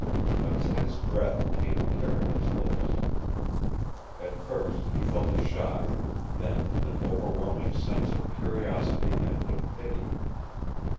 A tense breath came to Carrigan's lips. At first he felt a shock, then an overwhelming sense of curiosity and of pity.